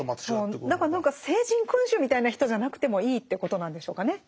何か聖人君子みたいな人じゃなくてもいいっていうことなんでしょうかね。